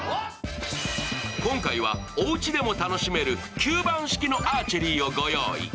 今回はおうちでも楽しめる吸盤式のアーチェリーをご用意。